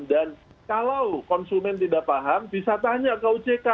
dan kalau konsumen tidak paham bisa tanya ke ojk